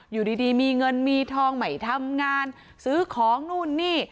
อยู่ดีมีเงินมีทองใหม่ทำงานซื้อของนู่นนี่